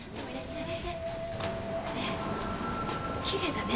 ねえきれいだね。